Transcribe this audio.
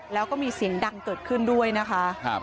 แล้วก็มีเสียงดังเกิดขึ้นด้วยนะคะ